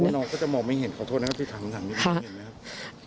น้องจะมองไม่เห็นขอโทษนะคะที่ถังสักนิดแห้ง